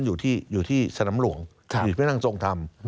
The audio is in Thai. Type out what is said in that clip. อยู่ที่สนำลวงพี่พี่เป็นนั่งทรงธรรม